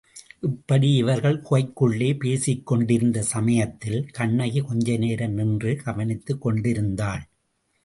இப்படி இவர்கள் குகைக்குள்ளே பேசிக்கொண்டிருந்த சமயத்தில் கண்ணகி கொஞ்சநேரம் நின்று கவனித்துக் கொண்டிருந்தாள்.